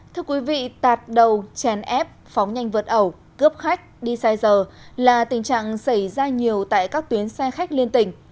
thưa quý vị tạt đầu chèn ép phóng nhanh vượt ẩu cướp khách đi sai giờ là tình trạng xảy ra nhiều tại các tuyến xe khách liên tỉnh